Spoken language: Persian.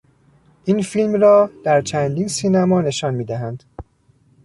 این فیلم را در چندین سینما نشان میدهند.